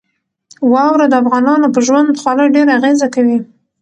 واوره د افغانانو په ژوند خورا ډېره اغېزه کوي.